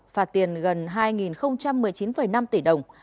phạt tiền gần hai một mươi chín năm tỷ đồng